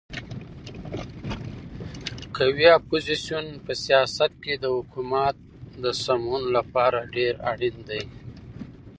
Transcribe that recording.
قوي اپوزیسیون په سیاست کې د حکومت د سمون لپاره ډېر اړین دی.